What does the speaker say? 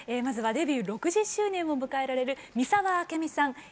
まずはデビュー６０周年を迎えられる三沢あけみさん。